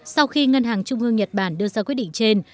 sau khi ngân hàng trung ương nhật bản đưa ra quyết định trên